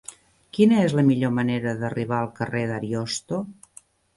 Quina és la millor manera d'arribar al carrer d'Ariosto?